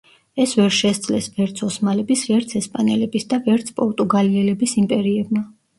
ეს ვერ შესძლეს ვერც ოსმალების, ვერც ესპანელების და ვერც პორტუგალიელების იმპერიებმა.